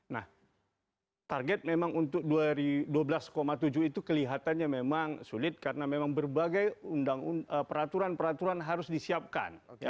nah target memang untuk dua belas tujuh itu kelihatannya memang sulit karena memang berbagai peraturan peraturan harus disiapkan